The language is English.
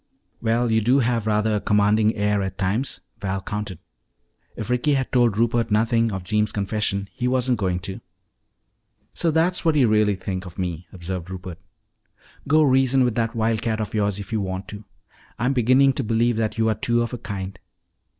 "Well, you do have rather a commanding air at times," Val countered. If Ricky had told Rupert nothing of Jeems' confession, he wasn't going to. "So that's what you really think of me!" observed Rupert. "Go reason with that wildcat of yours if you want to. I'm beginning to believe that you are two of a kind."